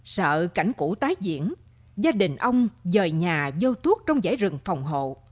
sợ cảnh cũ tái diễn gia đình ông về nhà vô tuốt trong giải rừng phòng hộ